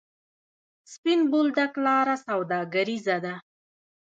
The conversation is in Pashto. سپین بولدک لاره سوداګریزه ده؟